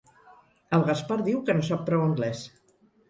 El Gaspar diu que no sap prou anglès.